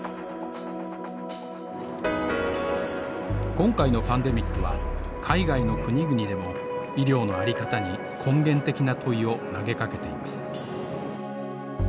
今回のパンデミックは海外の国々でも医療の在り方に根源的な問いを投げかけています。